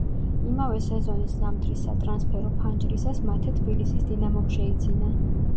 იმავე სეზონის ზამთრის სატრანსფერო ფანჯრისას მათე თბილისის „დინამომ“ შეიძინა.